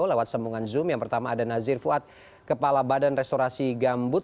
lewat sambungan zoom yang pertama ada nazir fuad kepala badan restorasi gambut